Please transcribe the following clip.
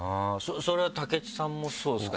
それは武知さんもそうですか？